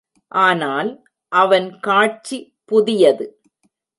ஆனால் அவன் காட்சி புதியது.